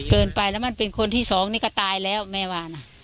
เกินไปแล้วมันเป็นคนที่สองนี่ก็ตายแล้วแม่ว่านะ